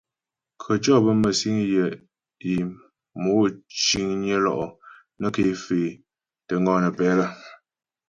Khətʉɔ̌ bə mə́sîŋ yə é mò ciŋnyə lo'o nə́ ké faə́ é tə́ ŋɔnə́pɛ lə.